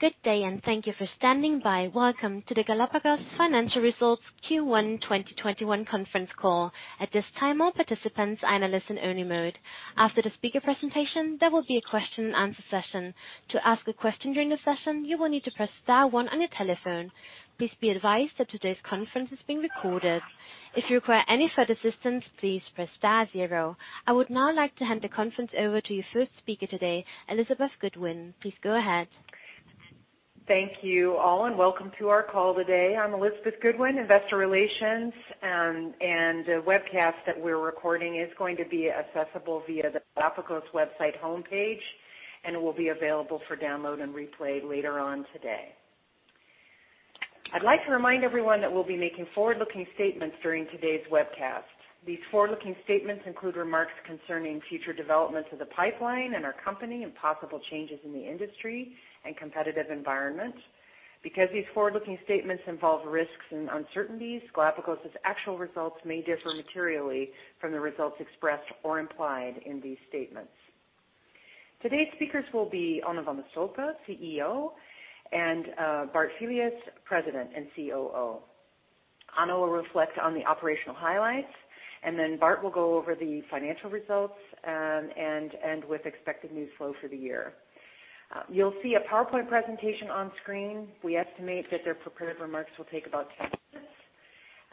Good day and thank you for standing by. Welcome to the Galapagos Financial Results Q1 2021 conference call. At this time, all participants are in a listen-only mode. After the speaker presentation, there will be a question and answer session. To ask a question during the session, you will need to press star one on your telephone. Please be advised that today's conference is being recorded. If you require any further assistance, please press star zero. I would now like to hand the conference over to your first speaker today, Elizabeth Goodwin. Please go ahead. Thank you, all, and welcome to our call today. I'm Elizabeth Goodwin, investor relations, and the webcast that we're recording is going to be accessible via the Galapagos website homepage, and will be available for download and replay later on today. I'd like to remind everyone that we'll be making forward-looking statements during today's webcast. These forward-looking statements include remarks concerning future developments of the pipeline in our company and possible changes in the industry and competitive environment. Because these forward-looking statements involve risks and uncertainties, Galapagos's actual results may differ materially from the results expressed or implied in these statements. Today's speakers will be Onno van de Stolpe, CEO, and Bart Filius, President and COO. Onno will reflect on the operational highlights, Bart will go over the financial results, and end with expected news flow for the year. You'll see a PowerPoint presentation on screen. We estimate that their prepared remarks will take about 10 minutes,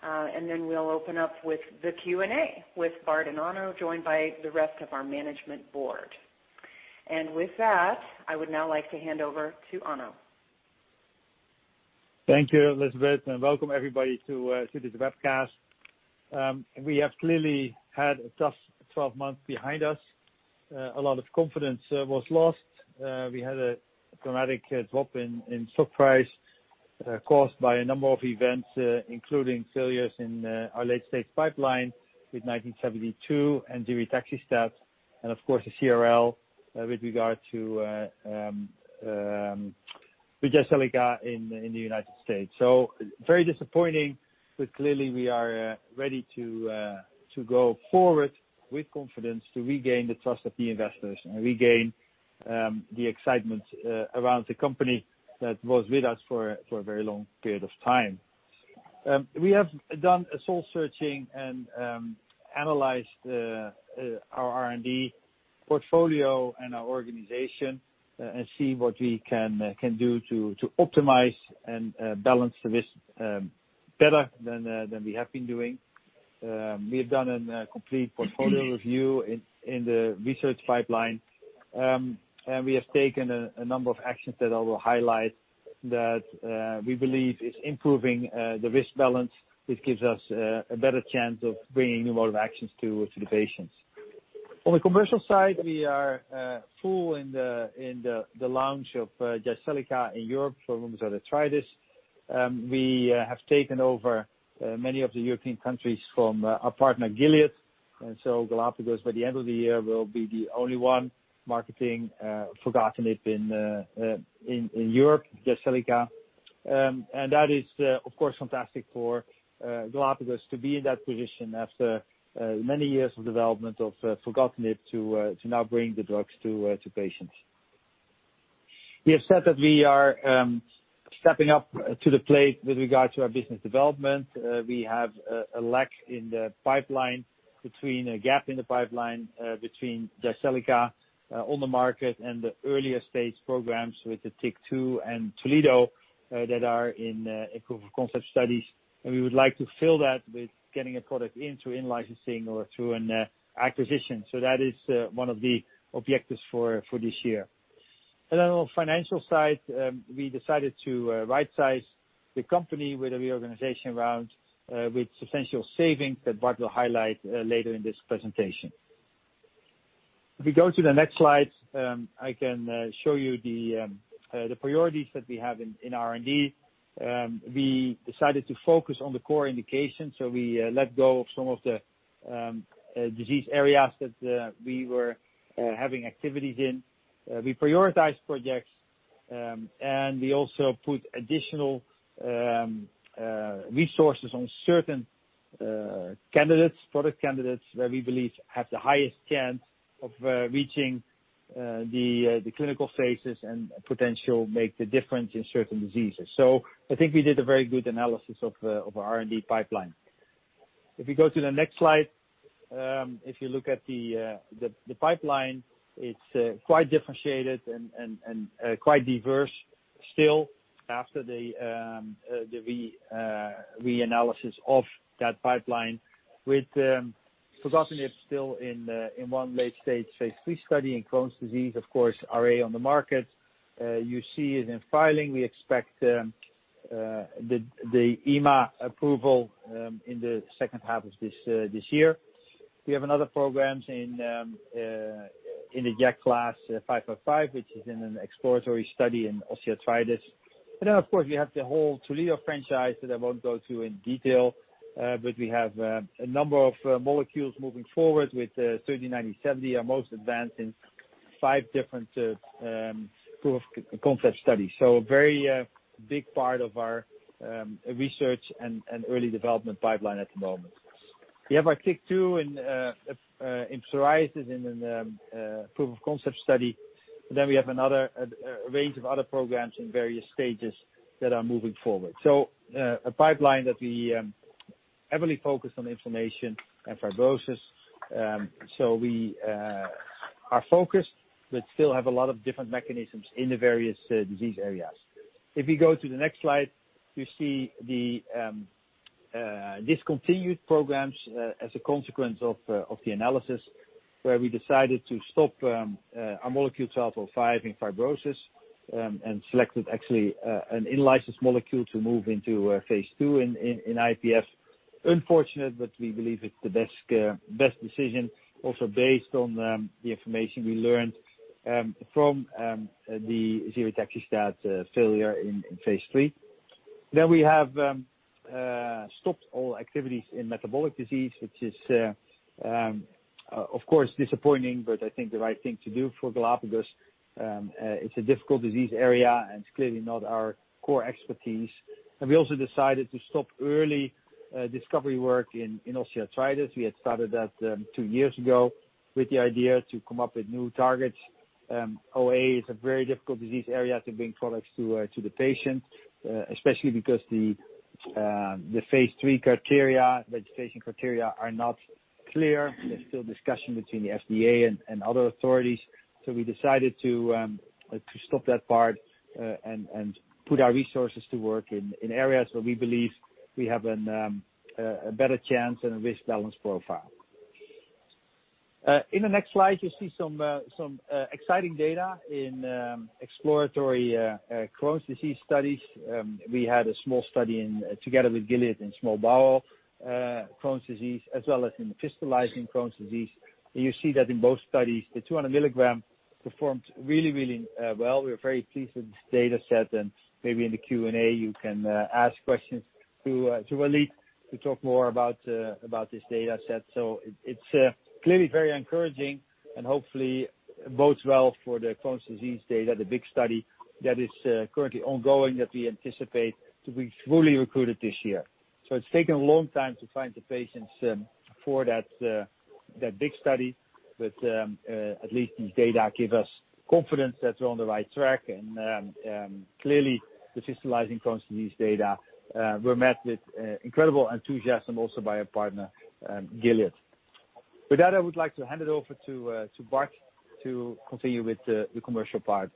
and then we'll open up with the Q&A with Bart and Onno, joined by the rest of our management board. With that, I would now like to hand over to Onno. Thank you, Elizabeth, and welcome everybody to this webcast. We have clearly had a tough 12 months behind us. A lot of confidence was lost. We had a dramatic drop in stock price, caused by a number of events, including failures in our late-stage pipeline with 1972 and ziritaxestat, and of course, the CRL with regard to filgotinib in the U.S. Very disappointing, but clearly we are ready to go forward with confidence to regain the trust of the investors and regain the excitement around the company that was with us for a very long period of time. We have done a soul searching and analyzed our R&D portfolio and our organization and see what we can do to optimize and balance the risk better than we have been doing. We have done a complete portfolio review in the research pipeline. We have taken a number of actions that I will highlight that we believe is improving the risk balance, which gives us a better chance of bringing new modes of action to the patients. On the commercial side, we are full in the launch of Jyseleca in Europe for rheumatoid arthritis. We have taken over many of the European countries from our partner, Gilead. Galapagos, by the end of the year, will be the only one marketing filgotinib in Europe, Jyseleca. That is, of course, fantastic for Galapagos to be in that position after many years of development of filgotinib to now bring the drugs to patients. We have said that we are stepping up to the plate with regard to our business development. We have a gap in the pipeline between Jyseleca on the market and the earlier-stage programs with the TYK2 and Toledo that are in proof of concept studies. We would like to fill that with getting a product in through in-licensing or through an acquisition. That is one of the objectives for this year. On the financial side, we decided to rightsize the company with a reorganization round, with substantial savings that Bart will highlight later in this presentation. If we go to the next slide, I can show you the priorities that we have in R&D. We decided to focus on the core indications, we let go of some of the disease areas that we were having activities in. We prioritized projects. We also put additional resources on certain product candidates that we believe have the highest chance of reaching the clinical phases and potentially make the difference in certain diseases. I think we did a very good analysis of our R&D pipeline. If you go to the next slide. If you look at the pipeline, it's quite differentiated and quite diverse still after the re-analysis of that pipeline with filgotinib still in one late-stage, phase III study in Crohn's disease. Of course, RA on the market. You see it in filing. We expect the EMA approval in the second half of this year. We have other programs in the JAK class, 505, which is in an exploratory study in osteoarthritis. Of course, we have the whole Toledo franchise that I won't go to in detail. We have a number of molecules moving forward with 3097, our most advanced in five different proof of concept studies. A very big part of our research and early development pipeline at the moment. You have our TYK2 in psoriasis and in the proof of concept study. We have another range of other programs in various stages that are moving forward. A pipeline that we heavily focus on inflammation and fibrosis. We are focused, but still have a lot of different mechanisms in the various disease areas. If you go to the next slide, you see the discontinued programs as a consequence of the analysis, where we decided to stop our molecule 1205 in fibrosis, and selected actually an in-license molecule to move into phase II in IPF. Unfortunate. We believe it's the best decision also based on the information we learned from the ziritaxestat failure in phase III. We have stopped all activities in metabolic disease, which is, of course, disappointing. I think the right thing to do for Galapagos. It's a difficult disease area. It's clearly not our core expertise. We also decided to stop early discovery work in osteoarthritis. We had started that two years ago with the idea to come up with new targets. OA is a very difficult disease area to bring products to the patient, especially because the phase III criteria, registration criteria are not clear. There's still discussion between the FDA and other authorities. We decided to stop that part. We put our resources to work in areas where we believe we have a better chance and a risk-balance profile. In the next slide, you see some exciting data in exploratory Crohn's disease studies. We had a small study together with Gilead in small bowel Crohn's disease, as well as in fistulizing Crohn's disease. You see that in both studies, the 200 mg performed really, really well. We are very pleased with this data set, and maybe in the Q&A you can ask questions to Walid to talk more about this data set. It's clearly very encouraging and hopefully bodes well for the Crohn's disease data, the big study that is currently ongoing, that we anticipate to be fully recruited this year. It's taken a long time to find the patients for that big study. At least these data give us confidence that we're on the right track. Clearly the fistulizing Crohn's disease data were met with incredible enthusiasm also by our partner, Gilead. With that, I would like to hand it over to Bart to continue with the commercial part.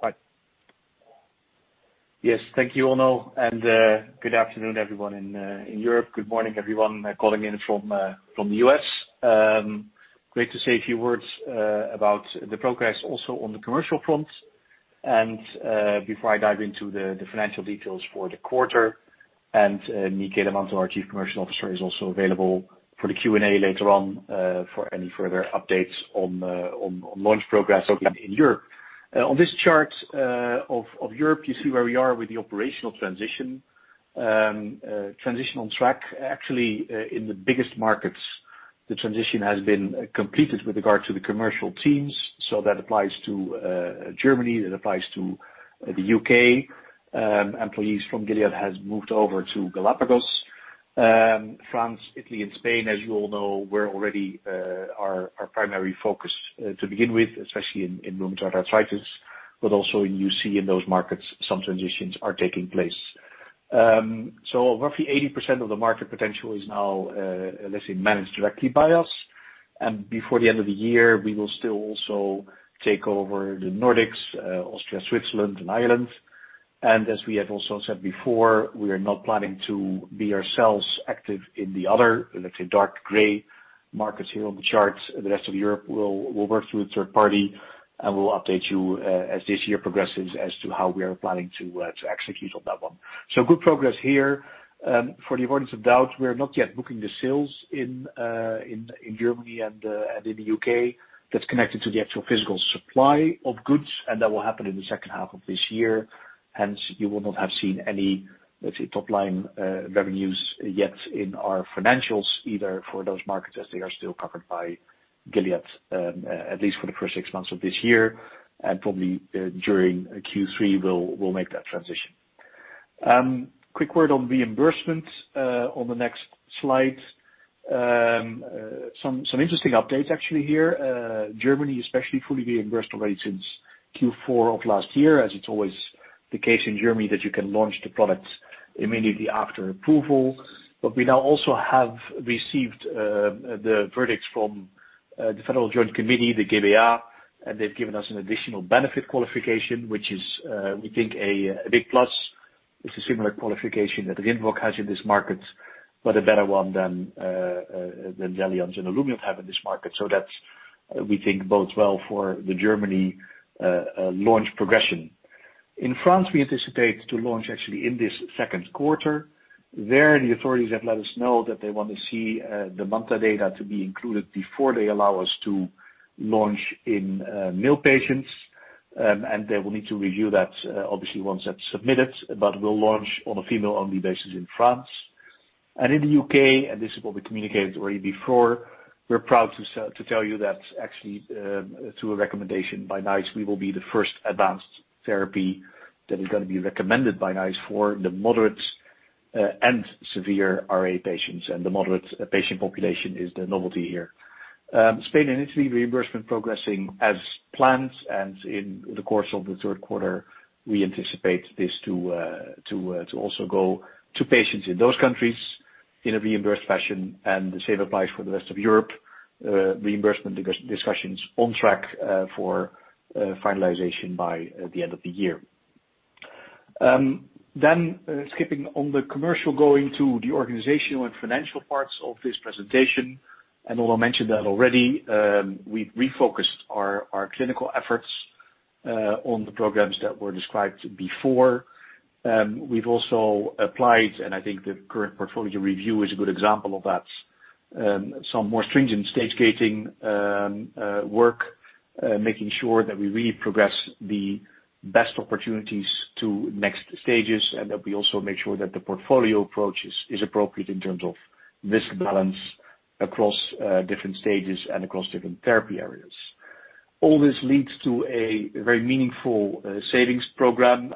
Bart. Yes. Thank you, Onno, good afternoon everyone in Europe. Good morning, everyone calling in from the U.S. Great to say a few words about the progress also on the commercial front and before I dive into the financial details for the quarter, and Michele Manto, our Chief Commercial Officer, is also available for the Q&A later on for any further updates on launch progress in Europe. On this chart of Europe, you see where we are with the operational transition. Transition on track. Actually, in the biggest markets, the transition has been completed with regard to the commercial teams. That applies to Germany, that applies to the U.K. Employees from Gilead has moved over to Galapagos. France, Italy and Spain, as you all know, were already our primary focus to begin with, especially in rheumatoid arthritis, but also you see in those markets, some transitions are taking place. Roughly 80% of the market potential is now, let's say, managed directly by us. Before the end of the year, we will still also take over the Nordics, Austria, Switzerland and Ireland. As we have also said before, we are not planning to be ourselves active in the other, let's say, dark gray markets here on the chart, the rest of Europe. We'll work through a third party, and we'll update you as this year progresses as to how we are planning to execute on that one. Good progress here. For the avoidance of doubt, we are not yet booking the sales in Germany and in the U.K. That's connected to the actual physical supply of goods, and that will happen in the second half of this year, hence you will not have seen any, let's say, top line revenues yet in our financials either for those markets as they are still covered by Gilead, at least for the first six months of this year. Probably during Q3, we'll make that transition. Quick word on reimbursement on the next slide. Some interesting updates actually here. Germany especially fully reimbursed already since Q4 of last year, as it's always the case in Germany that you can launch the product immediately after approval. We now also have received the verdicts from the Federal Joint Committee, the G-BA, and they've given us an additional benefit qualification, which is, we think a big plus. It's a similar qualification that RINVOQ has in this market, but a better one than Jyseleca and Olumiant have in this market. That, we think, bodes well for the Germany launch progression. In France, we anticipate to launch actually in this second quarter. There, the authorities have let us know that they want to see the MANTA data to be included before they allow us to launch in male patients, and they will need to review that obviously once that's submitted. We'll launch on a female-only basis in France. In the U.K., and this is what we communicated already before. We're proud to tell you that actually, through a recommendation by NICE, we will be the first advanced therapy that is going to be recommended by NICE for the moderate and severe RA patients, and the moderate patient population is the novelty here. Spain and Italy reimbursement progressing as planned. In the course of the third quarter, we anticipate this to also go to patients in those countries in a reimbursed fashion. The same applies for the rest of Europe. Reimbursement discussions on track for finalization by the end of the year. Skipping on the commercial, going to the organizational and financial parts of this presentation. Although I mentioned that already, we've refocused our clinical efforts on the programs that were described before. We've also applied, I think the current portfolio review is a good example of that, some more stringent stage-gating work, making sure that we really progress the best opportunities to next stages, that we also make sure that the portfolio approach is appropriate in terms of risk balance across different stages and across different therapy areas. All this leads to a very meaningful savings program.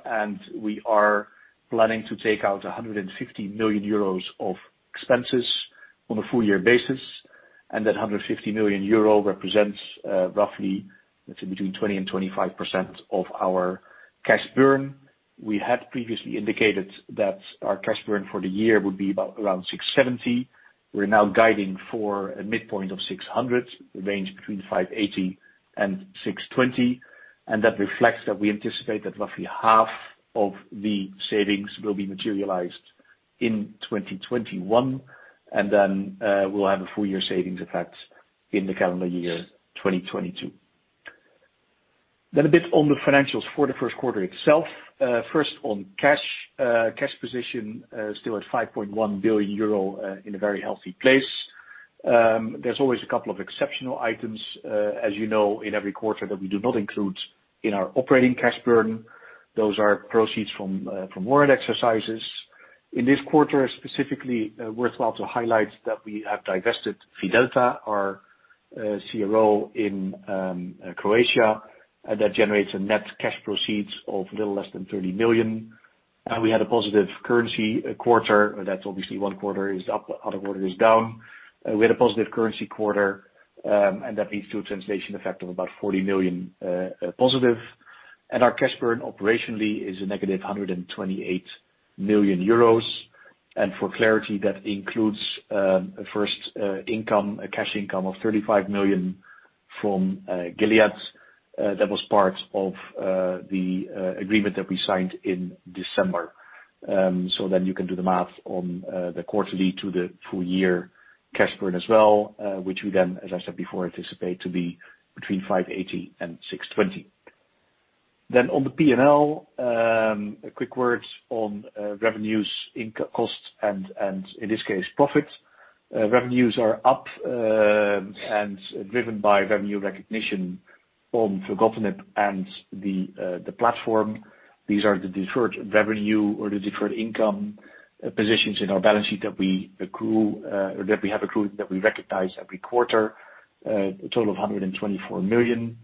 We are planning to take out 150 million euros of expenses on a full-year basis, and that 150 million euro represents roughly, let's say, between 20%-25% of our cash burn. We had previously indicated that our cash burn for the year would be about 670. We're now guiding for a midpoint of 600, range between 580-620. That reflects that we anticipate that roughly half of the savings will be materialized in 2021. We'll have a full-year savings effect in the calendar year 2022. A bit on the financials for the first quarter itself. First, on cash. Cash position still at 5.1 billion euro, in a very healthy place. There's always a couple of exceptional items, as you know, in every quarter that we do not include in our operating cash burn. Those are proceeds from warrant exercises. In this quarter, specifically worthwhile to highlight that we have divested Fidelta, our CRO in Croatia. That generates a net cash proceeds of a little less than 30 million. We had a positive currency quarter. That's obviously one quarter is up, other quarter is down. We had a positive currency quarter, that leads to a translation effect of about 40 million positive. Our cash burn operationally is a -128 million euros. For clarity, that includes a first cash income of 35 million from Gilead. That was part of the agreement that we signed in December. You can do the math on the quarterly to the full-year cash burn as well, which we, as I said before, anticipate to be between 580 million and 620 million. On the P&L, a quick word on revenues, costs and, in this case, profit. Revenues are up and driven by revenue recognition on filgotinib and the platform. These are the deferred revenue or the deferred income positions in our balance sheet that we accrue, or that we have accrued that we recognize every quarter. A total of 124 million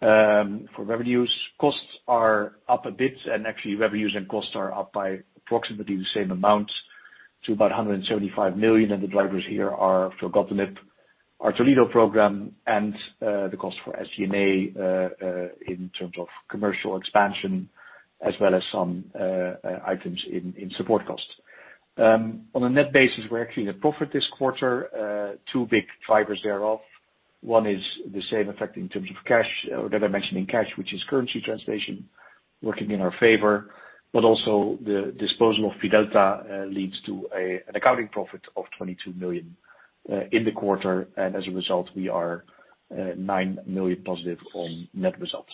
for revenues. Costs are up a bit, and actually, revenues and costs are up by approximately the same amount to about 175 million, and the drivers here are filgotinib, our Toledo program, and the cost for SG&A in terms of commercial expansion as well as some items in support costs. On a net basis, we're actually in a profit this quarter. Two big drivers thereof. One is the same effect in terms of cash, or that I mentioned in cash, which is currency translation working in our favor, but also the disposal of Fidelta leads to an accounting profit of 22 million in the quarter. As a result, we are +9 million on net results.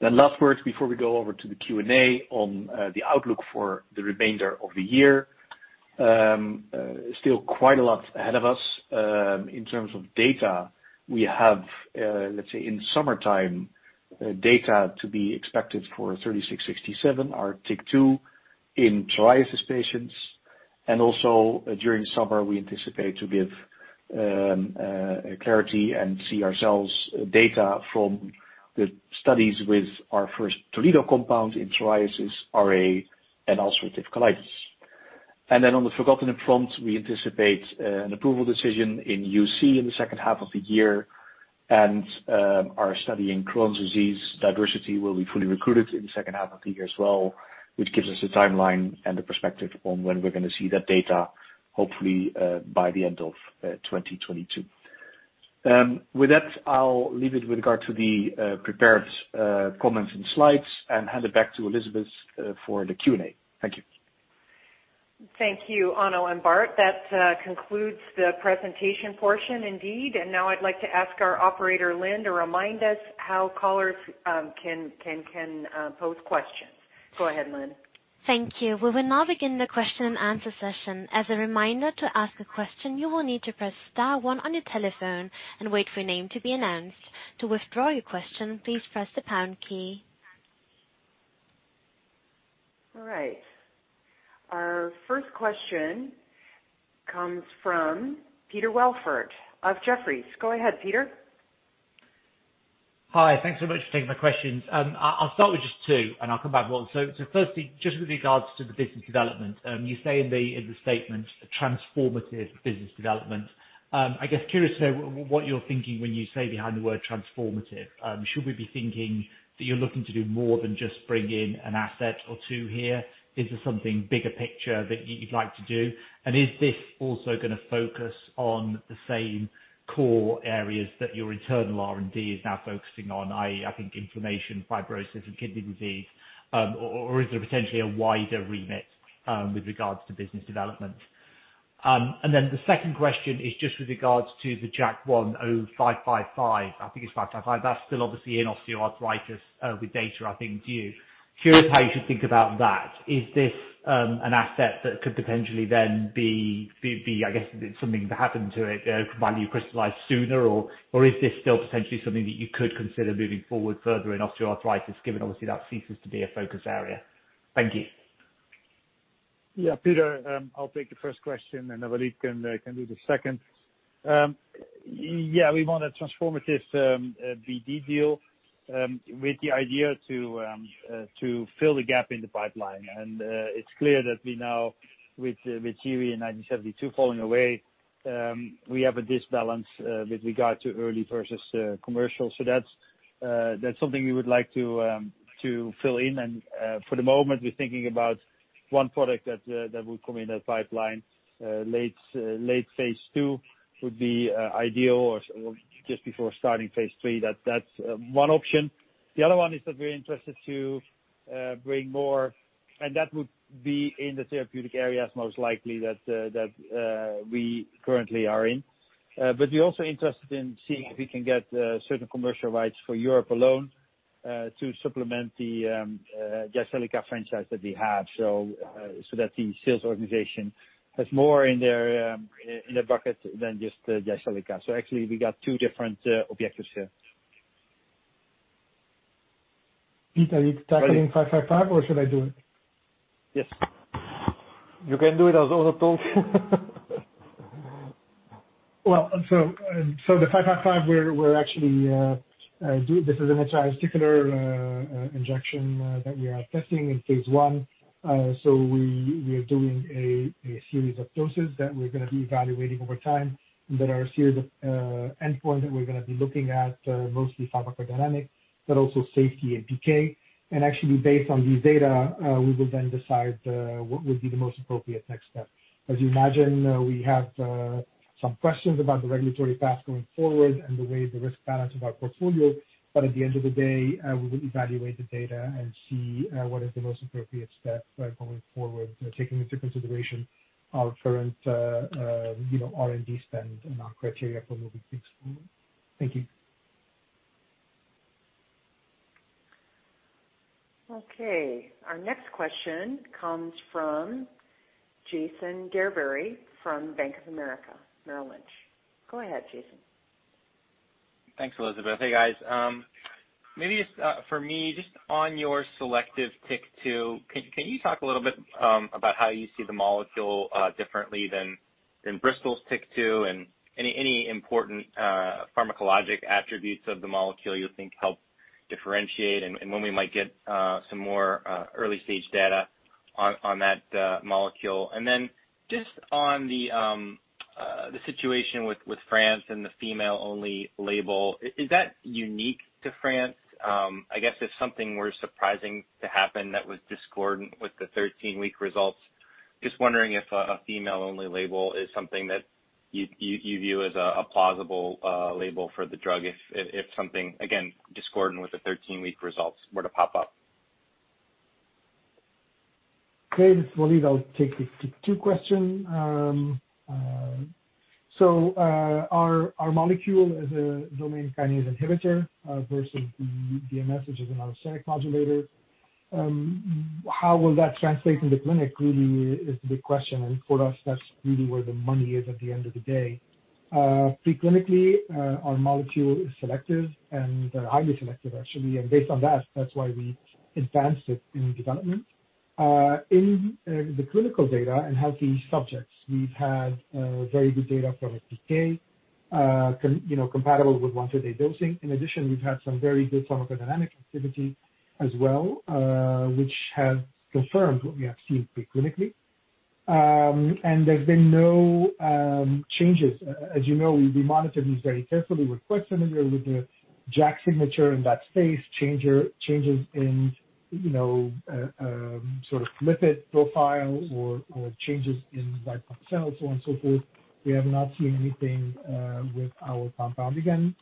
Last words before we go over to the Q&A on the outlook for the remainder of the year. Still quite a lot ahead of us. In terms of data, we have, let's say, in summertime, data to be expected for 3667, our TYK2 in psoriasis patients. Also during summer, we anticipate to give clarity and see ourselves data from the studies with our first Toledo compound in psoriasis, RA, and ulcerative colitis. On the filgotinib front, we anticipate an approval decision in UC in the second half of the year and our study in Crohn's disease, Diversity, will be fully recruited in the second half of the year as well, which gives us a timeline and a perspective on when we're going to see that data, hopefully by the end of 2022. With that, I'll leave it with regard to the prepared comments and slides and hand it back to Elizabeth for the Q&A. Thank you. Thank you, Onno and Bart. That concludes the presentation portion indeed. Now I'd like to ask our operator, Lynn, to remind us how callers can pose questions. Go ahead, Lynn. Thank you. We will now begin the question and answer session. As a reminder to ask a question you will need to press star one on your telephone and wait for your name to be announced. To withdraw your question please press the pound key. All right. Our first question comes from Peter Welford of Jefferies. Go ahead, Peter. Hi. Thanks so much for taking my questions. I'll start with just two, and I'll come back. Firstly, just with regards to the business development, you say in the statement, transformative business development. I guess curious to know what you're thinking when you say behind the word transformative. Should we be thinking that you're looking to do more than just bring in an asset or two here? Is there something bigger picture that you'd like to do? Is this also going to focus on the same core areas that your internal R&D is now focusing on, i.e., I think inflammation, fibrosis, and kidney disease or is there potentially a wider remit with regards to business development? The second question is just with regards to the GLPG0555, I think it's 555. That's still obviously in osteoarthritis with data, I think, due. Curious how you should think about that. Is this an asset that could potentially then be, I guess, something to happen to it, value crystallized sooner? Is this still potentially something that you could consider moving forward further in osteoarthritis, given obviously that ceases to be a focus area? Thank you. Peter, I'll take the first question, and Walid can do the second. We want a transformative BD deal, with the idea to fill the gap in the pipeline. It's clear that we now, with [inaudible] and GLPG1972 falling away, we have a disbalance with regard to early versus commercial. That's something we would like to fill in. For the moment, we're thinking about one product that will come in that pipeline. Late phase II would be ideal or just before starting phase III. That's one option. The other one is that we're interested to bring more, and that would be in the therapeutic areas most likely that we currently are in. We're also interested in seeing if we can get certain commercial rights for Europe alone to supplement the Jyseleca franchise that we have. That the sales organization has more in their bucket than just Jyseleca. Actually, we got two different objectives here. Peter, are you tackling 555, or should I do it? Yes. You can do it as well. The 555, this is an intra-articular injection that we are testing in phase I. We are doing a series of doses that we're going to be evaluating over time. There are a series of endpoints that we're going to be looking at, mostly pharmacodynamic, also safety and PK. Actually, based on these data, we will decide what would be the most appropriate next step. As you imagine, we have some questions about the regulatory path going forward and the way the risk balance of our portfolio. At the end of the day, we will evaluate the data and see what is the most appropriate step going forward, taking into consideration our current R&D spend and our criteria for moving things forward. Thank you. Okay. Our next question comes from Jason Gerberry from Bank of America Merrill Lynch. Go ahead, Jason. Thanks, Elizabeth. Hey, guys. Maybe just for me, just on your selective TYK2, can you talk a little bit about how you see the molecule differently than Bristol's TYK2, and any important pharmacologic attributes of the molecule you think help differentiate? When we might get some more early-stage data on that molecule? Just on the situation with France and the female-only label, is that unique to France? I guess if something were surprising to happen that was discordant with the 13-week results, just wondering if a female-only label is something that you view as a plausible label for the drug if something, again, discordant with the 13-week results were to pop up. Okay. This is Walid. I'll take the TYK2 question. Our molecule is a domain kinase inhibitor versus the BMS, which is an allosteric modulator. How will that translate in the clinic really is the big question. For us, that's really where the money is at the end of the day. Pre-clinically, our molecule is selective and highly selective, actually. Based on that's why we advanced it in development. In the clinical data in healthy subjects, we've had very good data from PK, compatible with once-a-day dosing. In addition, we've had some very good pharmacodynamic activity as well, which has confirmed what we have seen pre-clinically. There's been no changes. As you know, we monitor these very carefully with questioning or with the JAK signature in that space, changes in sort of lipid profile or changes in white blood cells, so on and so forth. We have not seen anything with our compound. Again,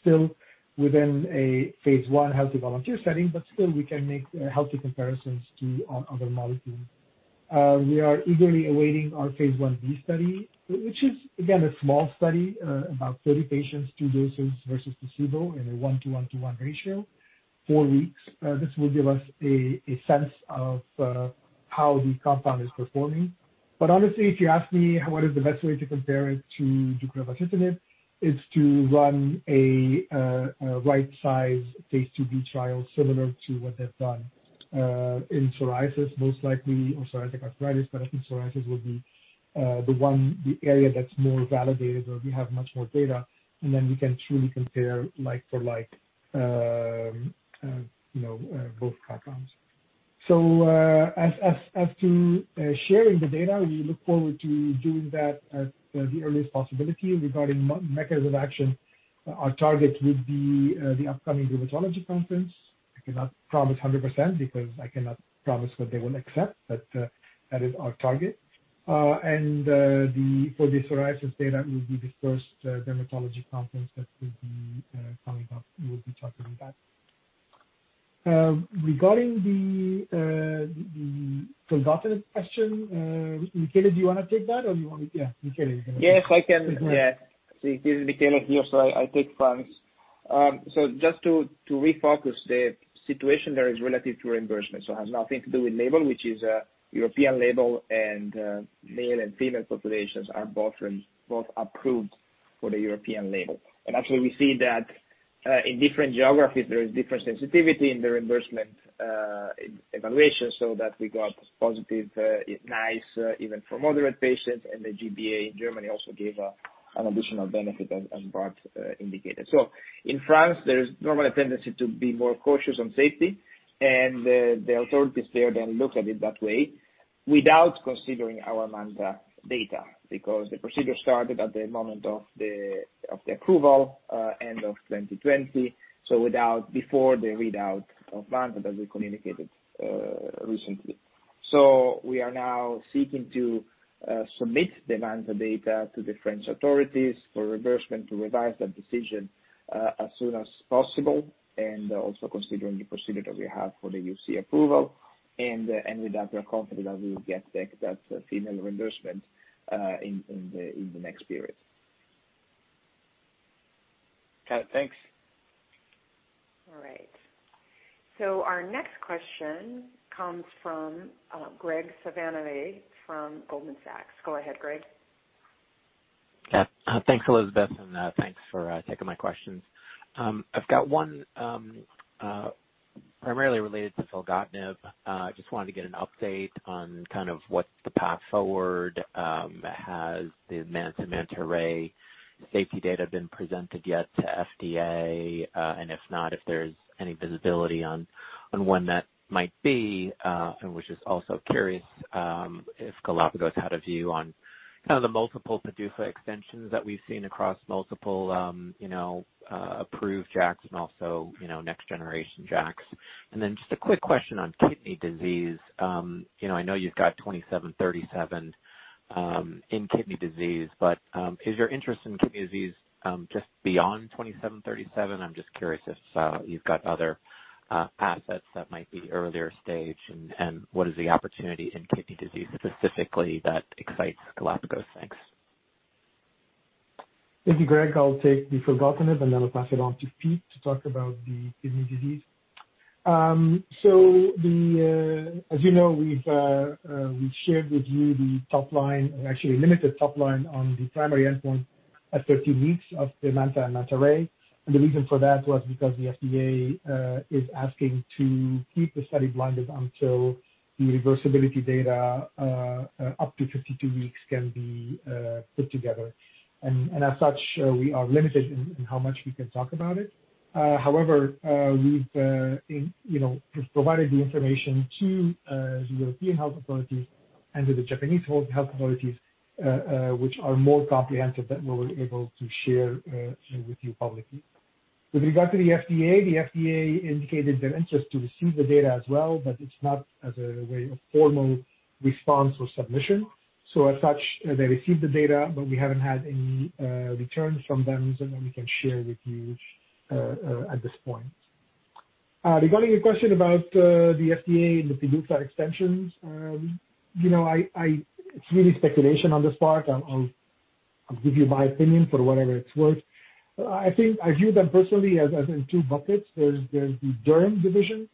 still within a phase I healthy volunteer setting, we can make healthy comparisons to our other molecules. We are eagerly awaiting our phase Ib study, which is again, a small study, about 30 patients, two doses versus placebo in a one-to-one-to-one ratio, four weeks. This will give us a sense of how the compound is performing. Honestly, if you ask me what is the best way to compare it to deucravacitinib, it's to run a right-size phase II-B trial similar to what they've done in psoriasis, most likely, or psoriatic arthritis. I think psoriasis would be the area that's more validated, where we have much more data, and then we can truly compare like for like both compounds. As to sharing the data, we look forward to doing that at the earliest possibility. Regarding mechanism action, our target would be the upcoming rheumatology conference. I cannot promise 100% because I cannot promise what they will accept, but that is our target. For the psoriasis data, it will be the first dermatology conference that we'll be talking about that. Regarding the filgotinib question, Michele, do you want to take that? Yeah, Michele, you can take it. Yes, I can. Yeah. This is Michele here. I take France. Just to refocus the situation there is relative to reimbursement, it has nothing to do with label, which is a European label, and male and female populations are both approved for the European label. Actually, we see that in different geographies, there is different sensitivity in the reimbursement evaluation that we got positive NICE even for moderate patients, and the G-BA in Germany also gave an additional benefit and brought indicator. In France, there is normally a tendency to be more cautious on safety, and the authorities there then look at it that way without considering our MANTA data because the procedure started at the moment of the approval end of 2020. Before the readout of MANTA that we communicated recently. We are now seeking to submit the MANTA data to the French authorities for reimbursement to revise that decision as soon as possible and also considering the procedure that we have for the UC approval. With that, we are confident that we will get that filgotinib reimbursement in the next period. Okay, thanks. All right. Our next question comes from Graig Suvannavejh from Goldman Sachs. Go ahead, Graig. Yeah. Thanks, Elizabeth, and thanks for taking my questions. I've got one primarily related to filgotinib. Just wanted to get an update on kind of what the path forward has the MANTA, Manta Ray safety data been presented yet to FDA. If not, if there's any visibility on when that might be. Was just also curious if Galapagos had a view on kind of the multiple PDUFA extensions that we've seen across multiple approved JAKs and also next generation JAKs. Just a quick question on kidney disease. I know you've got 2737 in kidney disease, but is your interest in kidney disease just beyond 2737? I'm just curious if you've got other assets that might be earlier stage and what is the opportunity in kidney disease specifically that excites Galapagos. Thanks. Thank you, Graig. I'll take the filgotinib, and then I'll pass it on to Piet to talk about the kidney disease. As you know, we've shared with you the top line, or actually limited top line on the primary endpoint at 13 weeks of the MANTA and Manta Ray. The reason for that was because the FDA is asking to keep the study blinded until the reversibility data up to 52 weeks can be put together. As such, we are limited in how much we can talk about it. However, we've provided the information to the European health authorities and to the Japanese health authorities which are more comprehensive than what we're able to share with you publicly. With regard to the FDA, the FDA indicated they're interested to receive the data as well, but it's not as a way of formal response or submission. As such, they received the data, but we haven't had any returns from them that we can share with you at this point. Regarding your question about the FDA and the PDUFA extensions, it's really speculation on this part. I'll give you my opinion for whatever it's worth. I view them personally as in two buckets. There's the derm division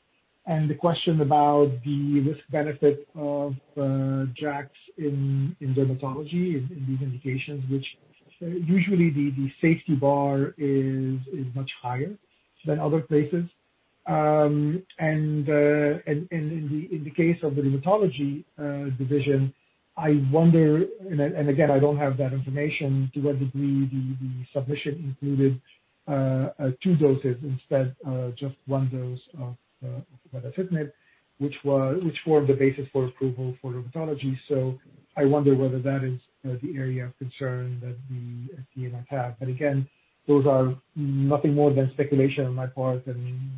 and the question about the risk-benefit of JAKs in dermatology in these indications, which usually the safety bar is much higher than other places. In the case of the dermatology division, I wonder, and again, I don't have that information to what degree the submission included two doses instead of just one dose of tofacitinib which formed the basis for approval for dermatology. I wonder whether that is the area of concern that the FDA might have. Again, those are nothing more than speculation on my part, and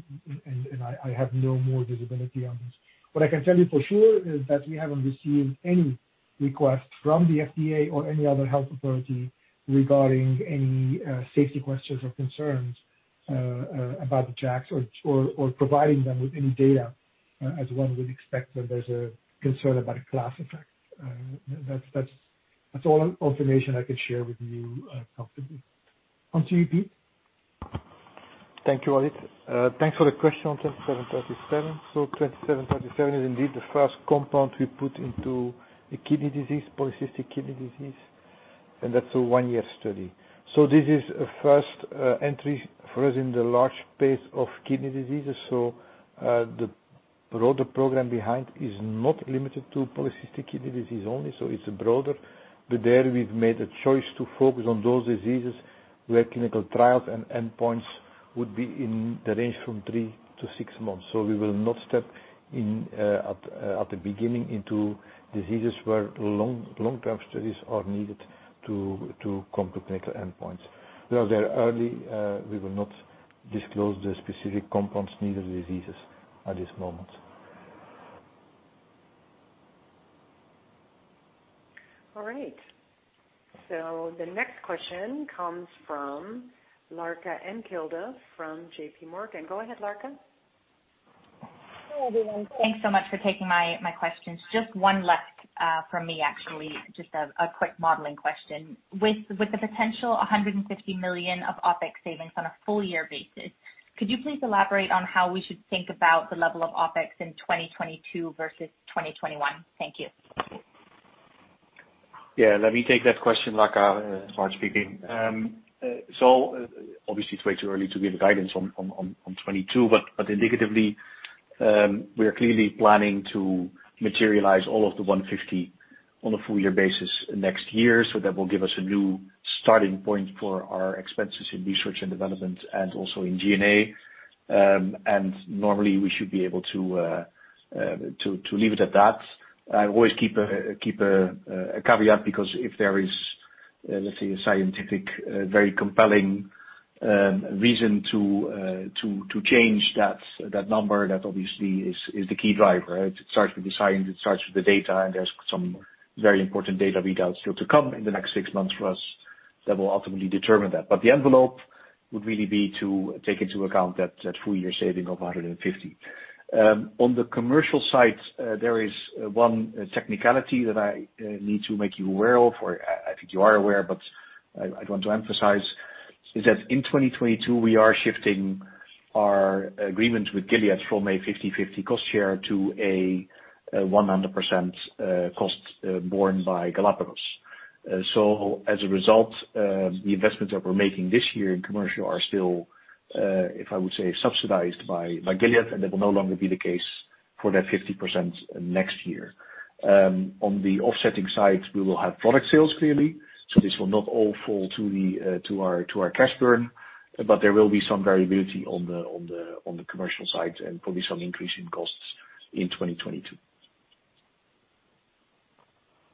I have no more visibility on this. What I can tell you for sure is that we haven't received any request from the FDA or any other health authority regarding any safety questions or concerns about the JAKs or providing them with any data as one would expect when there's a concern about a class effect. That's all information I could share with you comfortably. On to you, Piet. Thank you, Walid. Thanks for the question on GLPG2737. GLPG2737 is indeed the first compound we put into the polycystic kidney disease, and that's a one-year study. This is a first entry for us in the large space of kidney diseases. The broader program behind is not limited to polycystic kidney disease only. It's broader. There we've made a choice to focus on those diseases where clinical trials and endpoints would be in the range from 3-6 months. We will not step in at the beginning into diseases where long-term studies are needed to come to clinical endpoints. Well, they're early. We will not disclose the specific compounds needed diseases at this moment. All right. The next question comes from Larka and Kilda from JPMorgan. Go ahead, Larka. Hi, everyone. Thanks so much for taking my questions. Just one left from me, actually. Just a quick modeling question. With the potential 150 million of OpEx savings on a full year basis, could you please elaborate on how we should think about the level of OpEx in 2022 versus 2021? Thank you. Yeah, let me take that question, Larka. It's Bart speaking. Obviously it's way too early to give guidance on 2022, but indicatively, we are clearly planning to materialize all of the 150 on a full year basis next year. That will give us a new starting point for our expenses in research and development and also in G&A. Normally we should be able to leave it at that. I always keep a caveat because if there is, let's say, a scientific very compelling reason to change that number, that obviously is the key driver. It starts with the science, it starts with the data, and there's some very important data readouts still to come in the next six months for us that will ultimately determine that. The envelope would really be to take into account that full-year saving of 150. On the commercial side, there is one technicality that I need to make you aware of, or I think you are aware, but I'd want to emphasize, is that in 2022, we are shifting our agreement with Gilead from a 50/50 cost share to a 100% cost borne by Galapagos. As a result, the investments that we're making this year in commercial are still, if I would say, subsidized by Gilead, and that will no longer be the case for that 50% next year. On the offsetting side, we will have product sales, clearly. This will not all fall to our cash burn, but there will be some variability on the commercial side and probably some increase in costs in 2022.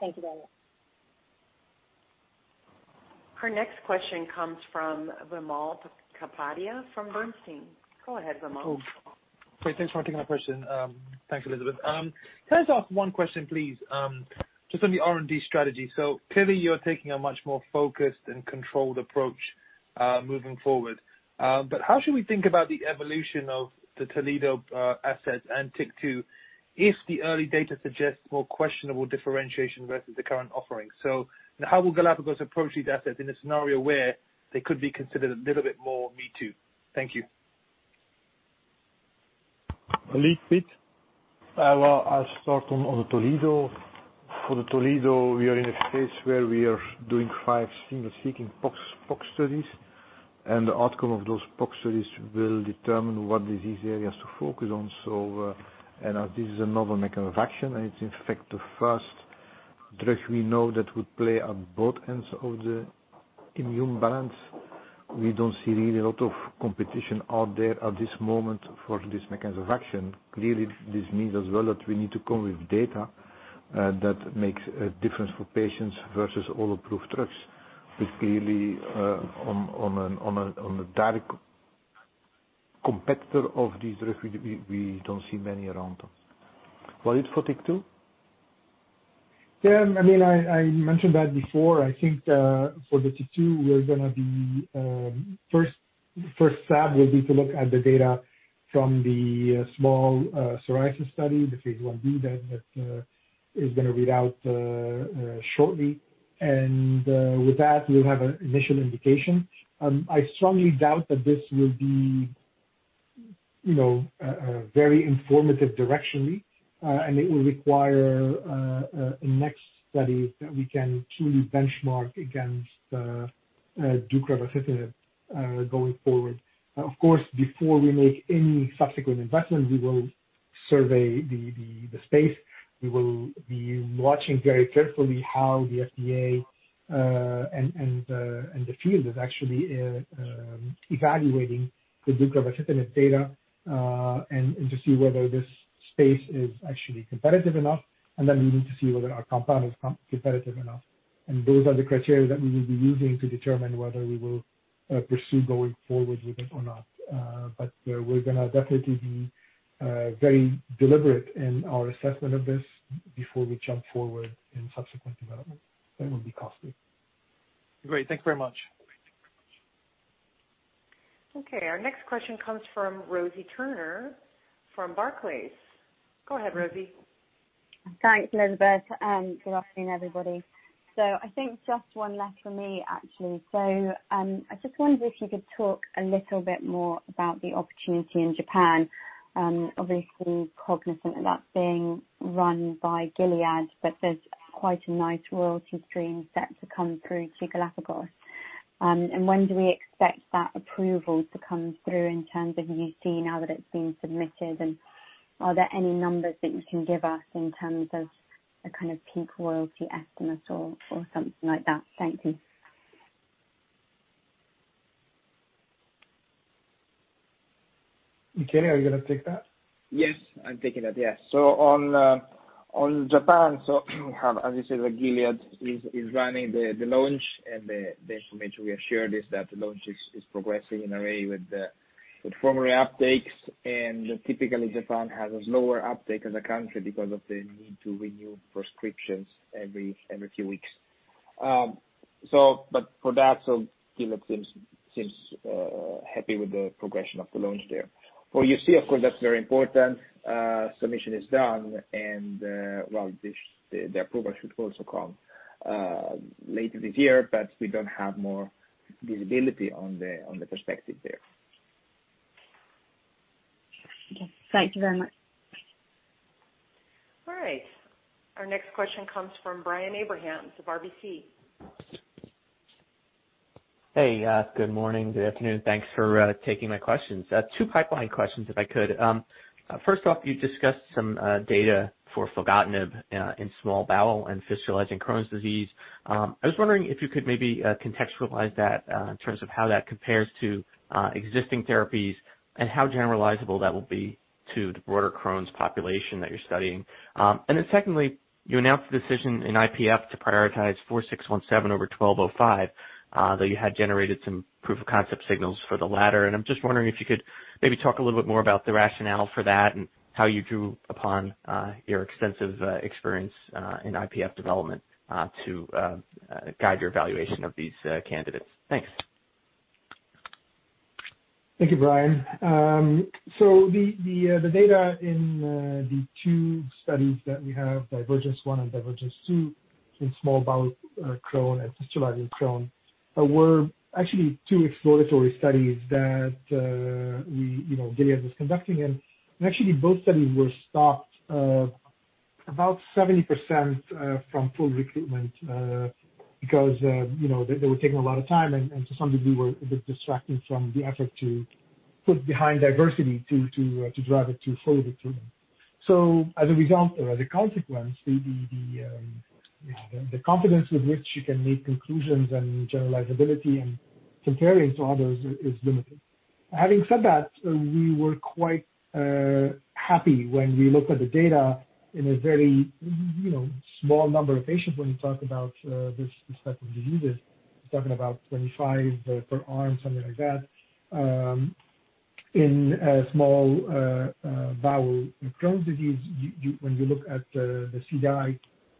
Thank you, Bart. Our next question comes from Wimal Kapadia from Bernstein. Go ahead, Wimal. Cool. Great. Thanks for taking my question. Thanks, Elizabeth. Can I start one question, please? Just on the R&D strategy. Clearly you're taking a much more focused and controlled approach moving forward. How should we think about the evolution of the Toledo assets and TYK2 if the early data suggests more questionable differentiation versus the current offering? How will Galapagos approach these assets in a scenario where they could be considered a little bit more me too? Thank you. [inaudible] Well, I'll start on the Toledo. For the Toledo, we are in a space where we are doing five signal-seeking PoC studies, and the outcome of those PoC studies will determine what disease areas to focus on. As this is a novel mechanism of action, and it's in fact the first drug we know that would play at both ends of the immune balance. We don't see really a lot of competition out there at this moment for this mechanism of action. This means as well that we need to come with data that makes a difference for patients versus all approved drugs. Clearly, on a direct competitor of this drug, we don't see many around. Walid for TYK2? Yeah. I mean, I mentioned that before. I think for the TYK2, first step will be to look at the data from the small psoriasis study, the phase Ib, that is going to read out shortly. With that we'll have an initial indication. I strongly doubt that this will be very informative directionally, and it will require a next study that we can truly benchmark against the deucravacitinib going forward. Of course, before we make any subsequent investment, we will survey the space. We will be watching very carefully how the FDA and the field is actually evaluating the deucravacitinib data, and to see whether this space is actually competitive enough, and then we need to see whether our compound is competitive enough. Those are the criteria that we will be using to determine whether we will pursue going forward with it or not. We're going to definitely be very deliberate in our assessment of this before we jump forward in subsequent development. That will be costly. Great. Thank you very much. Okay, our next question comes from Rosie Turner from Barclays. Go ahead, Rosie. Thanks, Elizabeth, and good afternoon, everybody. I think just one left for me, actually. I just wondered if you could talk a little bit more about the opportunity in Japan. Obviously, cognizant of that being run by Gilead, but there's quite a nice royalty stream set to come through to Galapagos. When do we expect that approval to come through in terms of UC, now that it's been submitted, and are there any numbers that you can give us in terms of a kind of peak royalty estimate or something like that? Thank you. Manto, are you going to take that? Yes, I'm taking that. Yes. On Japan, as you said, Gilead is running the launch and the information we assure is that the launch is progressing in RA with former uptakes, and typically Japan has a slower uptake as a country because of the need to renew prescriptions every few weeks. For that, Gilead seems happy with the progression of the launch there. For UC, of course, that's very important. Submission is done and, well, the approval should also come later this year, but we don't have more visibility on the perspective there. Okay. Thank you very much. All right. Our next question comes from Brian Abrahams of RBC. Hey. Good morning. Good afternoon. Thanks for taking my questions. Two pipeline questions, if I could. First off, you discussed some data for filgotinib in small bowel and fistulizing Crohn's disease. I was wondering if you could maybe contextualize that in terms of how that compares to existing therapies and how generalizable that will be to the broader Crohn's population that you're studying. Secondly, you announced the decision in IPF to prioritize 4617 over 1205, though you had generated some proof of concept signals for the latter. I'm just wondering if you could maybe talk a little bit more about the rationale for that and how you drew upon your extensive experience in IPF development to guide your evaluation of these candidates. Thanks. Thank you, Brian. The data in the two studies that we have, Divergence 1 and Divergence 2, in small bowel Crohn's and fistulizing Crohn's, were actually two exploratory studies that Gilead was conducting. Actually, both studies were stopped about 70% from full recruitment because they were taking a lot of time, and to some degree, were a bit distracting from the effort to put behind Divergence to drive it to fully recruitment. As a result or as a consequence, the confidence with which you can make conclusions and generalizability and comparing to others is limited. Having said that, we were quite happy when we looked at the data in a very small number of patients, when you talk about this type of diseases. We're talking about 25 per arm, something like that. In small bowel Crohn's disease, when you look at the CDAI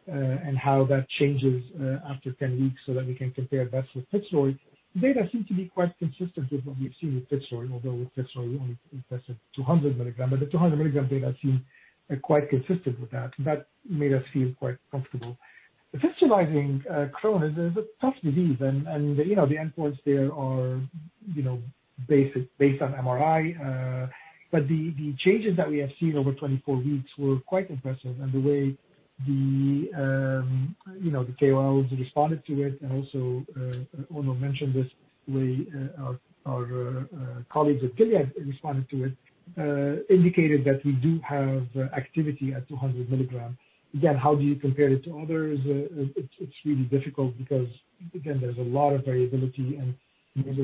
and how that changes after 10 weeks so that we can compare that with FITZROY, the data seem to be quite consistent with what we've seen with FITZROY. Although with FITZROY, we only tested 200 mg, the 200 mg data seem quite consistent with that. That made us feel quite comfortable. Fistulizing Crohn's is a tough disease, the endpoints there are based on MRI. The changes that we have seen over 24 weeks were quite impressive. The way the KOLs responded to it, and also Onno mentioned this, the way our colleagues at Gilead responded to it indicated that we do have activity at 200 mg. Again, how do you compare it to others? It's really difficult because there's a lot of liability and [inaudible] there's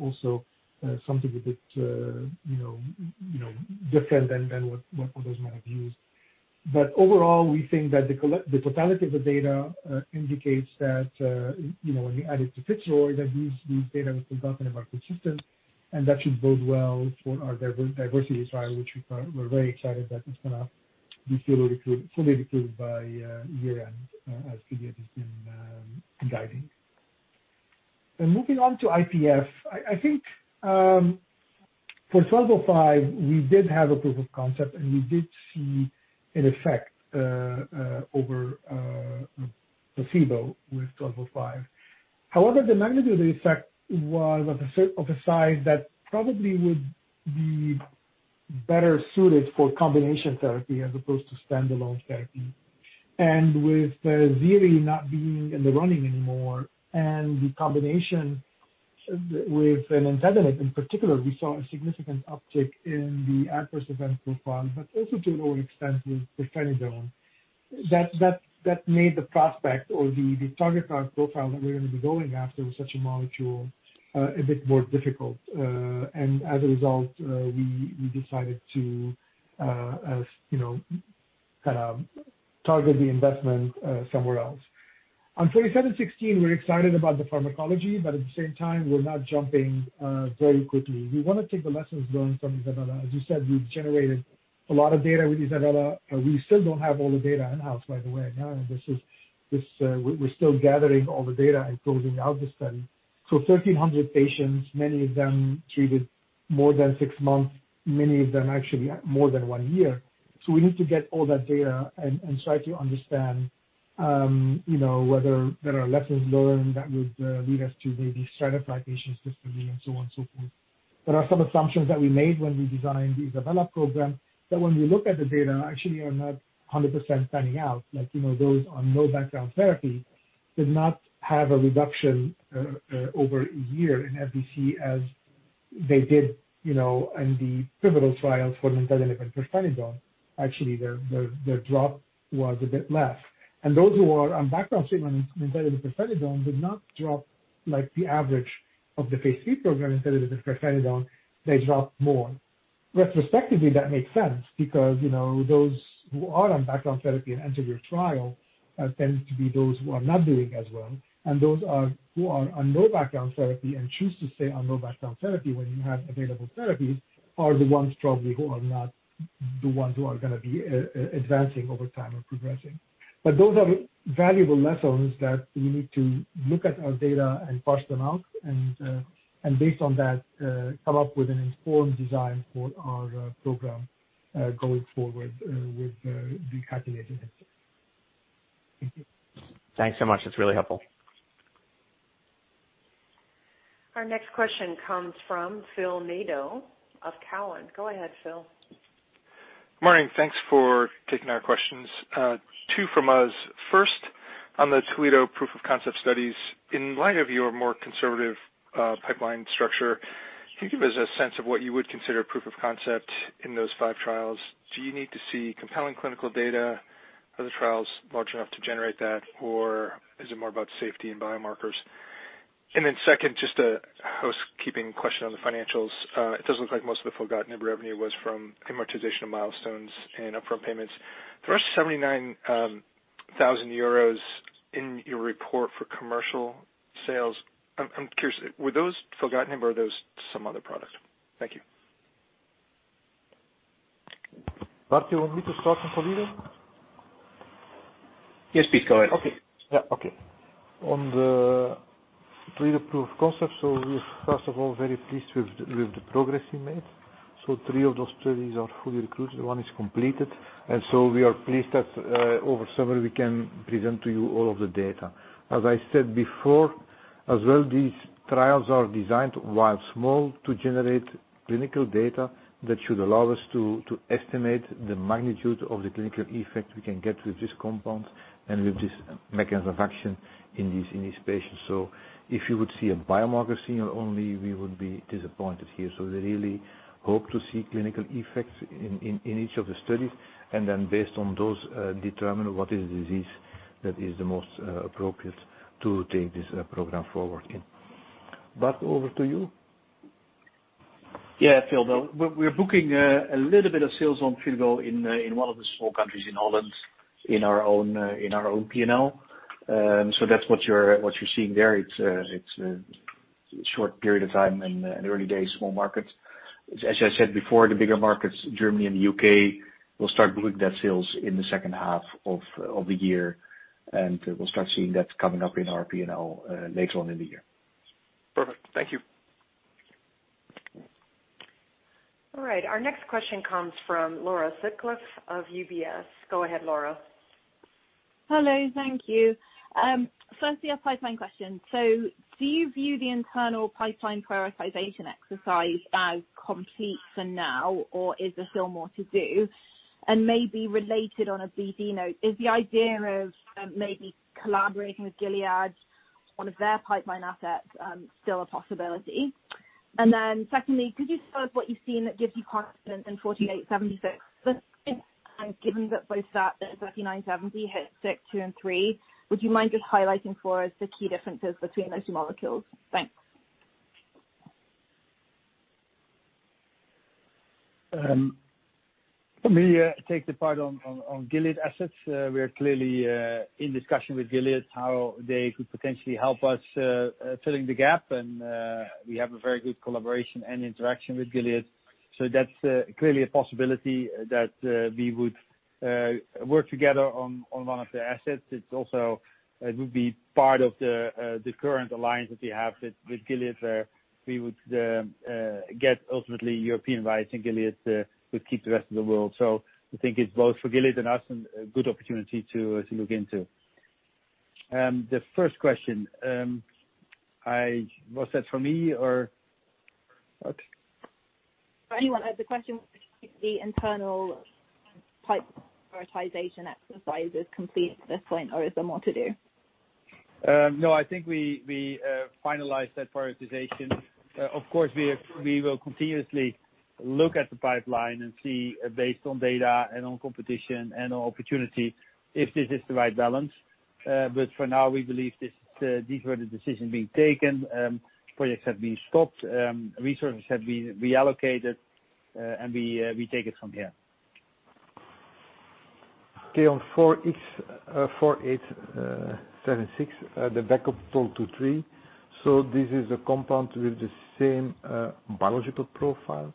also some little bit difficulty, that is my view. Overall, we think that the totality of the data indicates that, when you add it to FITZROY, that these data with filgotinib are consistent, and that should bode well for our Diversity trial, which we're very excited that it's going to be fully recruited by year-end, as Gilead has been guiding. Moving on to IPF. I think for 1205, we did have a proof of concept, and we did see an effect over a placebo with 1205. However, the magnitude of the effect was of a size that probably would be better suited for combination therapy as opposed to standalone therapy. With ziritaxestat not being in the running anymore and the combination with an adenine in particular, we saw a significant uptick in the adverse event profile, but also to a lower extent with prednisone. That made the prospect or the target profile that we're going to be going after with such a molecule a bit more difficult. As a result, we decided to target the investment somewhere else. On 4716, we're excited about the pharmacology, but at the same time, we're not jumping very quickly. We want to take the lessons learned from ISABELA. As you said, we've generated a lot of data with ISABELA. We still don't have all the data in-house, by the way. We're still gathering all the data and closing out the study. 1,300 patients, many of them treated more than six months, many of them actually more than one year. We need to get all that data and start to understand whether there are lessons learned that would lead us to really stratify patients differently and so on and so forth. There are some assumptions that we made when we designed the DEVELOP program, that when we look at the data, actually are not 100% panning out. Those on no background therapy did not have a reduction over a year in FVC as they did in the pivotal trial for nintedanib and rifampicin. Actually, their drop was a bit less. Those who are on background treatment, nintedanib and rifampicin did not drop like the average of the phase III program, nintedanib and rifampicin, they dropped more. Retrospectively, that makes sense, because those who are on background therapy and enter your trial tends to be those who are not doing as well. Those who are on no background therapy and choose to stay on no background therapy when you have available therapies are the ones probably who are not the ones who are going to be advancing over time or progressing. Those are valuable lessons that we need to look at our data and parse them out and based on that, come up with an informed design for our program going forward with the calculating. Thank you. Thanks so much. That is really helpful. Our next question comes from Phil Nadeau of Cowen. Go ahead, Phil. Morning. Thanks for taking our questions. Two from us. First, on the Toledo proof of concept studies, in light of your more conservative pipeline structure, can you give us a sense of what you would consider proof of concept in those five trials? Do you need to see compelling clinical data? Are the trials large enough to generate that, or is it more about safety and biomarkers? Second, just a housekeeping question on the financials. It does look like most of the filgotinib revenue was from amortization of milestones and upfront payments. The rest 79,000 euros in your report for commercial sales, I'm curious, were those filgotinib or those some other product? Thank you. Bart, you want me to start on Toledo? Yes, please. Go ahead. Okay. On the Toledo proof of concept. We're, first of all, very pleased with the progress we made. Three of those studies are fully recruited, one is completed. We are pleased that over summer we can present to you all of the data. As I said before, as well, these trials are designed, while small, to generate clinical data that should allow us to estimate the magnitude of the clinical effect we can get with this compound and with this mechanism of action in these patients. If you would see a biomarker signal only, we would be disappointed here. We really hope to see clinical effects in each of the studies, and then based on those, determine what is the disease that is the most appropriate to take this program forward in. Bart, over to you. Phil. We're booking a little bit of sales on Jyseleca in one of the small countries in Holland, in our own P&L. That's what you're seeing there. It's a short period of time and an early-day small market. As I said before, the bigger markets, Germany and the U.K., we'll start booking that sales in the second half of the year, and we'll start seeing that coming up in our P&L later on in the year. Perfect. Thank you. All right. Our next question comes from Laura Sutcliffe of UBS. Go ahead, Laura. Hello. Thank you. I have a pipeline question. Do you view the internal pipeline prioritization exercise as complete for now, or is there still more to do? Maybe related on a BD note, is the idea of maybe collaborating with Gilead on their pipeline asset still a possibility? Secondly, could you describe what you've seen that gives you confidence in 4876? Given that both that and 3970 hit six and three, would you mind just highlighting for us the key differences between those two molecules? Thanks. Let me take the part on Gilead assets. We're clearly in discussion with Gilead, how they could potentially help us fill in the gap, and we have a very good collaboration and interaction with Gilead. That's clearly a possibility that we would work together on one of the assets. It would be part of the current alliance that we have with Gilead. We would get ultimately European rights, and Gilead would keep the rest of the world. We think it's both for Gilead and us, a good opportunity to look into. The first question, was that for me or Bart? For anyone. The question, the internal pipeline prioritization exercise is complete at this point, or is there more to do? I think we finalized that prioritization. Of course, we will continuously look at the pipeline and see based on data and on competition and opportunity if this is the right balance. For now, we believe these were the decisions being taken. Projects have been stopped, resources have been reallocated, and we take it from here. Okay. On 4876, the backup to 2.3. This is a compound with the same biological profile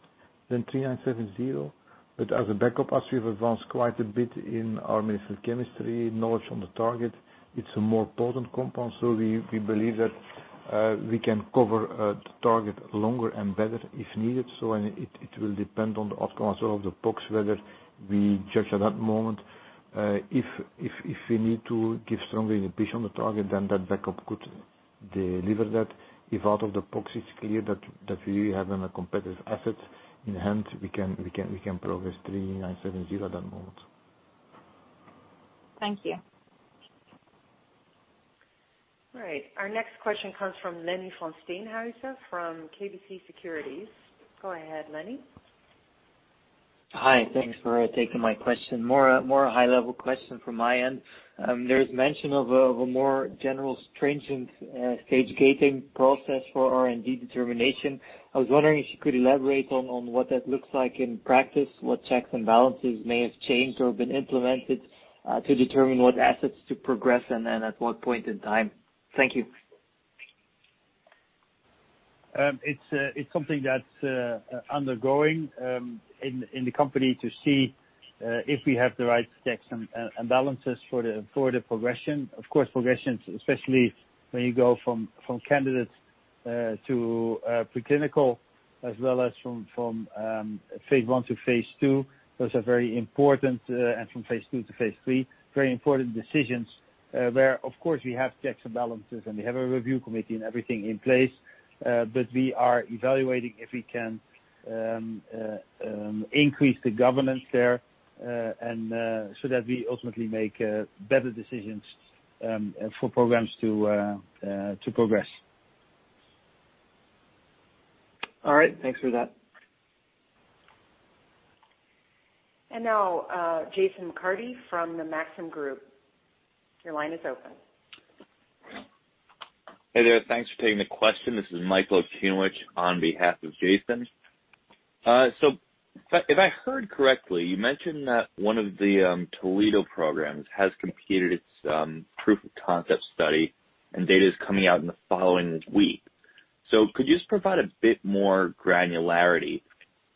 as 3970. As a backup, as we've advanced quite a bit in our medicinal chemistry knowledge on the target, it's a more potent compound. We believe that we can cover the target longer and better if needed. It will depend on the outcome also of the PoCs, whether we judge at that moment, if we need to give stronger ambition on the target, then that backup could deliver that. If out of the PoCs it's clear that we have then a competitive asset in hand, we can progress 3970 at that moment. Thank you. All right. Our next question comes from Lenny Van Steenhuyse from KBC Securities. Go ahead, Lenny. Hi. Thanks for taking my question. More high-level question from my end. There is mention of a more general stringent stage gating process for R&D determination. I was wondering if you could elaborate on what that looks like in practice, what checks and balances may have changed or been implemented to determine what assets to progress and at what point in time. Thank you. It's something that's undergoing in the company to see if we have the right checks and balances for the progression. Progressions, especially when you go from candidates to preclinical, as well as from phase I to phase II. Those are very important, and from phase II to phase III, very important decisions where of course we have checks and balances, and we have a review committee and everything in place. We are evaluating if we can increase the governance there so that we ultimately make better decisions for programs to progress. All right. Thanks for that. Now, Jason McCarthy from the Maxim Group. Your line is open. Hey there. Thanks for taking the question. This is Mike Golemi on behalf of Jason. If I heard correctly, you mentioned that one of the Toledo programs has completed its proof of concept study, and data is coming out in the following week. Could you just provide a bit more granularity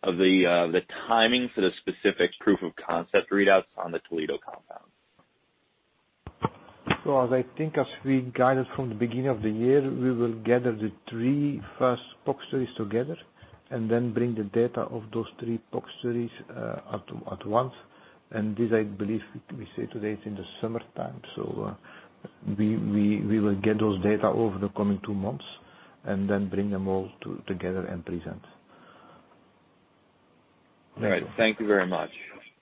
of the timing for the specific proof of concept readouts on the Toledo compound? As I think as we guided from the beginning of the year, we will gather the three first PoC studies together and then bring the data of those three PoC studies at once. This, I believe we say today it's in the summertime. We will get those data over the coming two months and then bring them all together and present. All right. Thank you very much.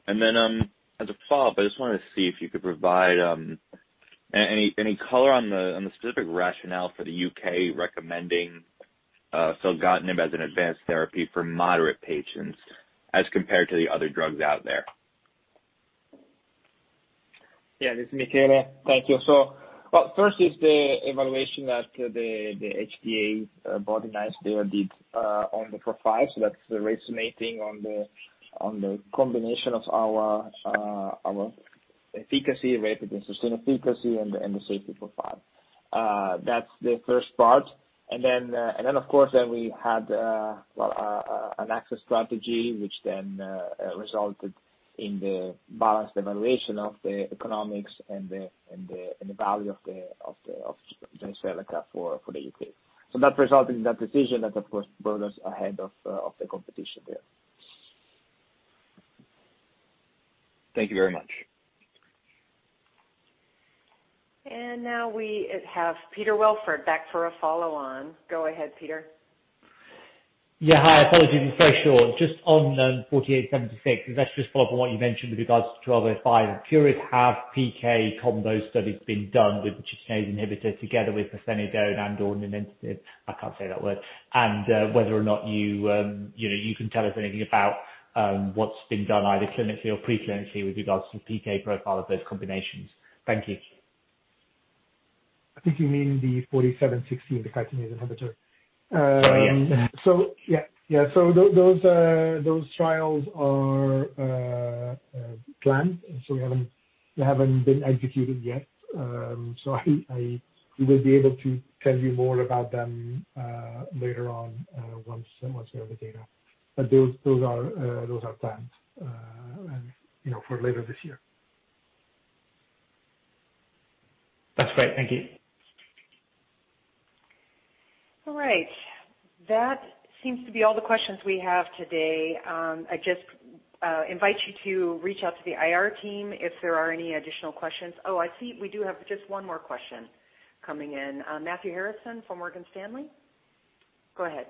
As a follow-up, I just wanted to see if you could provide any color on the specific rationale for the U.K. recommending filgotinib as an advanced therapy for moderate patients as compared to the other drugs out there. Yeah, this is Michele. Thank you. First is the evaluation that the HTA body NICE there did on the profile. That's resonating on the combination of our efficacy rate and sustainable efficacy and the safety profile. That's the first part. Of course, then we had an access strategy, which then resulted in the balanced evaluation of the economics and the value of Jyseleca for the U.K. That resulted in that decision that of course, brought us ahead of the competition there. Thank you very much. Now we have Peter Welford back for a follow-on. Go ahead, Peter. Yeah. Hi. Apologies, this is very short. Just on GLPG4876, that's just follow up on what you mentioned with regards to GLPG1205. I'm curious, have PK combo studies been done with the chitinase inhibitor together with pirfenidone and/or nintedanib? I can't say that word. Whether or not you can tell us anything about what's been done either clinically or pre-clinically with regards to the PK profile of those combinations. Thank you. I think you mean the 4716, the chitinase inhibitor. Sorry, yeah. Yeah. Those trials are planned. They haven't been executed yet. I will be able to tell you more about them later on once we have the data. Those are planned for later this year. That's great. Thank you. All right. That seems to be all the questions we have today. I just invite you to reach out to the IR team if there are any additional questions. I see we do have just one more question coming in. Matthew Harrison from Morgan Stanley. Go ahead.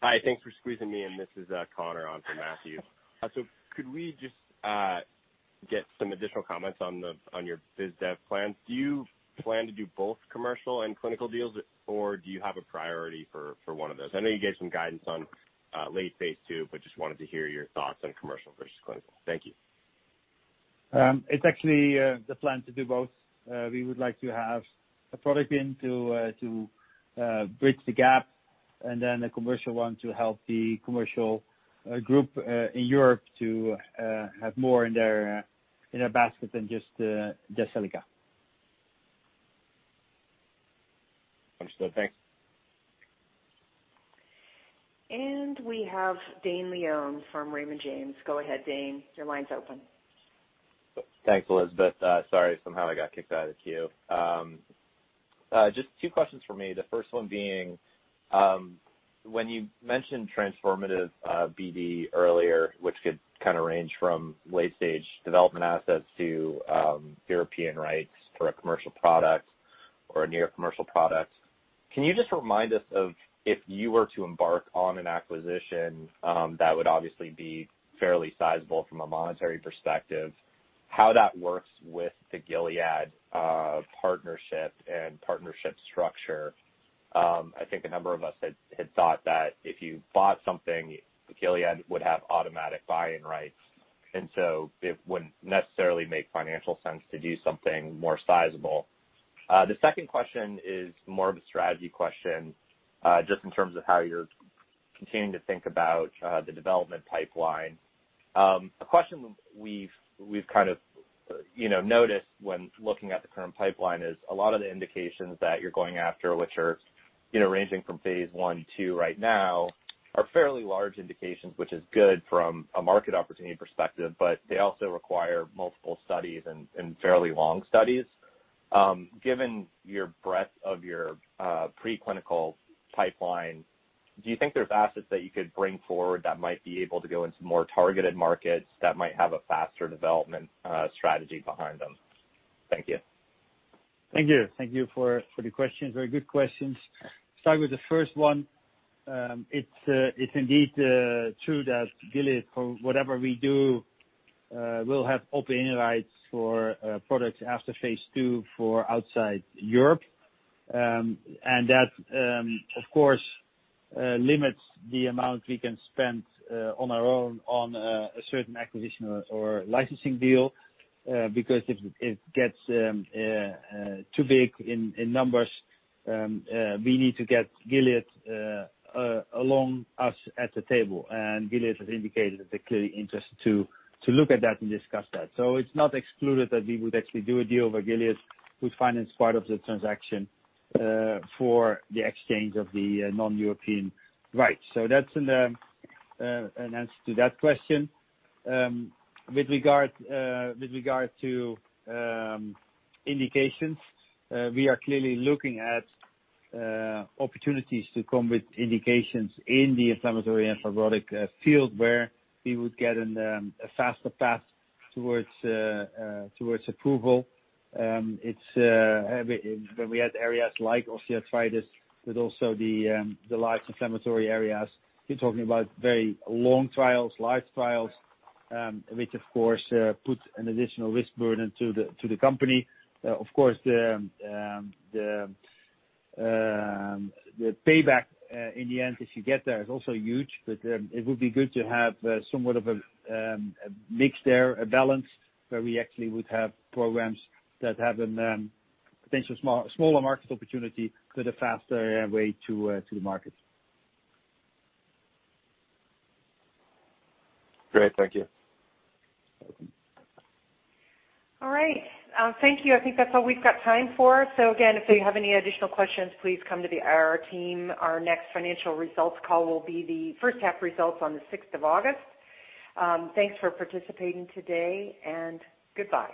Hi. Thanks for squeezing me in. This is Connor on for Matthew. Could we just get some additional comments on your biz dev plans? Do you plan to do both commercial and clinical deals, or do you have a priority for one of those? I know you gave some guidance on late phase II, but just wanted to hear your thoughts on commercial versus clinical. Thank you. It's actually the plan to do both. We would like to have a product in to bridge the gap and then a commercial one to help the commercial group in Europe to have more in their basket than just Jyseleca. Understood. Thanks. We have Dane Leone from Raymond James. Go ahead, Dane. Your line's open. Thanks, Elizabeth. Sorry, somehow I got kicked out of queue. Just two questions for me. The first one being, when you mentioned transformative BD earlier, which could kind of range from late-stage development assets to European rights for a commercial product or a near commercial product. Can you just remind us, if you were to embark on an acquisition that would obviously be fairly sizable from a monetary perspective, how that works with the Gilead partnership and partnership structure? I think a number of us had thought that if you bought something, Gilead would have automatic buy-in rights, and so it wouldn't necessarily make financial sense to do something more sizable. The second question is more of a strategy question, just in terms of how you're continuing to think about the development pipeline. A question we've kind of noticed when looking at the current pipeline is a lot of the indications that you're going after, which are ranging from phase I, II right now, are fairly large indications, which is good from a market opportunity perspective, but they also require multiple studies and fairly long studies. Given your breadth of your preclinical pipeline, do you think there's assets that you could bring forward that might be able to go into more targeted markets that might have a faster development strategy behind them? Thank you. Thank you. Thank you for the questions. Very good questions. Start with the first one. It's indeed true that Gilead, for whatever we do, will have open-ended rights for products after phase II for outside Europe. That, of course, limits the amount we can spend on our own on a certain acquisition or licensing deal, because if it gets too big in numbers, we need to get Gilead along us at the table. Gilead has indicated that they're clearly interested to look at that and discuss that. It's not excluded that we would actually do a deal where Gilead would finance part of the transaction for the exchange of the non-European rights. That's an answer to that question. With regard to indications, we are clearly looking at opportunities to come with indications in the inflammatory and fibrotic field where we would get a faster path towards approval. When we had areas like osteoarthritis, but also the large inflammatory areas, you are talking about very long trials, large trials, which of course, puts an additional risk burden to the company. Of course, the payback in the end, if you get there, is also huge, but it would be good to have somewhat of a mix there, a balance, where we actually would have programs that have a potentially smaller market opportunity, but a faster way to the market. Great. Thank you. All right. Thank you. I think that's all we've got time for. Again, if you have any additional questions, please come to the IR team. Our next financial results call will be the first half results on the 6th of August. Thanks for participating today. Goodbye.